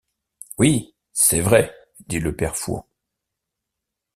Oui, c’est vrai, dit le père Fouan.